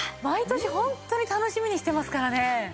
毎年ホントに楽しみにしてますからね。